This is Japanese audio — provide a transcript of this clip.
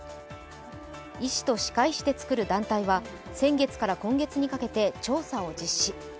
医師と歯科医師で作る団体は先月から今月にかけて調査を実施。